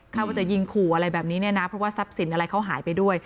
ว่าจะยิงขู่อะไรแบบนี้เนี่ยนะเพราะว่าทรัพย์สินอะไรเขาหายไปด้วย